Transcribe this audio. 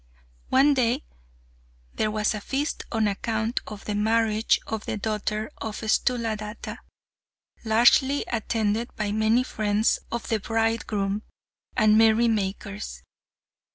One day there was a feast on account of the marriage of the daughter of Sthuladatta, largely attended by many friends of the bridegroom, and merry makers.